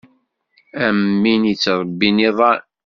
Am win ittṛebbin iḍan.